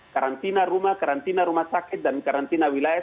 karantina rumah karantina rumah sakit dan karantina wilayah